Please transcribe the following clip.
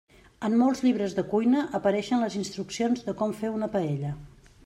En molts llibres de cuina apareixen les instruccions de com fer una paella.